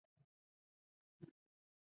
而往标茶车站方向的路线仍然存在。